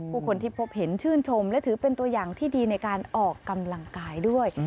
ผู้คนที่พบเห็นชื่นชมและถือเป็นตัวอย่างที่ดีในการออกกำลังกายด้วย